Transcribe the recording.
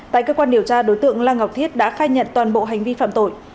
tại cơ quan điều tra đối tượng lan ngọc thiết đã khai nhận toàn bộ hành vi phạm tội